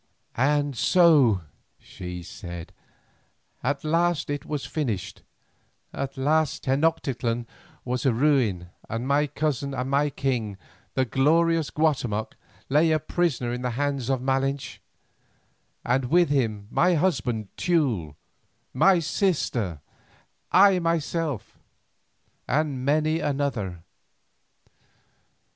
"And so," she said, "at last it was finished, at last Tenoctitlan was a ruin and my cousin and my king, the glorious Guatemoc, lay a prisoner in the hands of Malinche, and with him my husband Teule, my sister, I myself, and many another.